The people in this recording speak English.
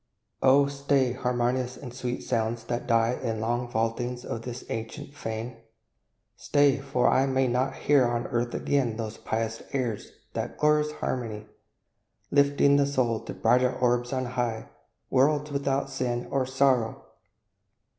Oh, stay, harmonious and sweet sounds, that die In the long vaultings of this ancient fane! Stay, for I may not hear on earth again Those pious airs that glorious harmony; Lifting the soul to brighter orbs on high, Worlds without sin or sorrow!